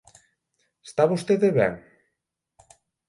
Está vostede ben?